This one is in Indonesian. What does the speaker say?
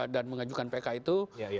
dan mengajukan pk itu